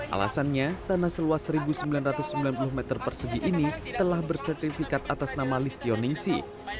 alasannya tanah seluas satu sembilan ratus sembilan puluh meter persegi ini telah bersertifikat atas nama listioningsi